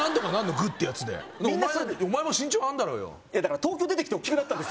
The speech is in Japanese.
グッてやつでお前も身長あんだろうよ東京出てきて大きくなったんです